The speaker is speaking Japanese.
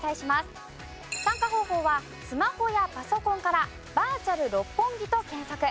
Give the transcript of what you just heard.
参加方法はスマホやパソコンから「バーチャル六本木」と検索。